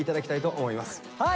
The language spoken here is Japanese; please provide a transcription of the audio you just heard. はい！